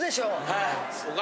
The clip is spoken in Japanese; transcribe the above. はい！